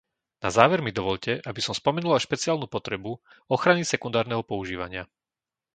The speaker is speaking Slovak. Na záver mi dovoľte, aby som spomenula špeciálnu potrebu ochrany sekundárneho používania.